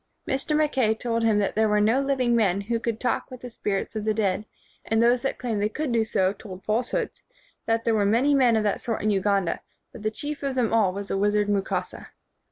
Mr. Mackay told him that there were no living men who could talk with the spirits of the dead and that those who claimed they could do so told falsehoods, that there were many men of that sort in Uganda, but the chief of them all was the wizard Mukasa.